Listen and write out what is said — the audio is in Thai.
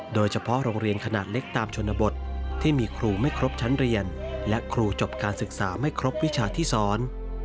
โดยเฉพาะโรงเรียนขนาดเล็กตามชนบทที่มีครูไม่ครบชั้นเรียนและครูจบการศึกษาไม่ครบวิชาที่สอน